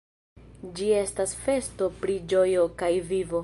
Ĝi estas festo pri ĝojo kaj vivo.